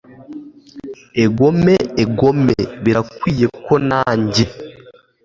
egome, egome, birakwiye ko nanjye